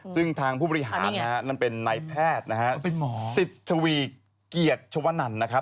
ซึ่งทางผู้บริหารนั้นเป็นนายแพทย์สิทธวีเกียจชวนั่นนะครับ